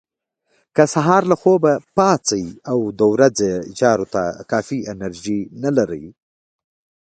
که سهار له خوبه پاڅئ او د ورځې چارو ته کافي انرژي نه لرئ.